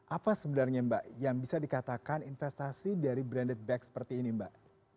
apa sebenarnya mbak yang bisa dikatakan investasi dari branded back seperti ini mbak